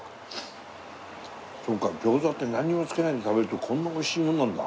そうか餃子って何もつけないで食べるとこんな美味しいものなんだ。